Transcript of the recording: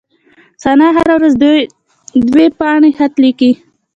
ثنا هره ورځ دوې پاڼي خط ليکي.